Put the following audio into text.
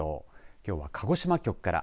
きょうは鹿児島局から。